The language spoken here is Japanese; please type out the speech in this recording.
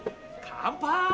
乾杯！